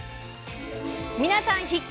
皆さん必見！